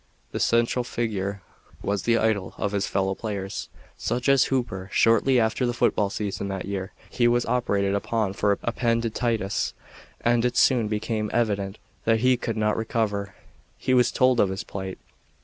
The central figure was the idol of his fellow players. Such was Hooper. Shortly after the football season that year he was operated upon for appendicitis and it soon became evident that he could not recover. He was told of his plight.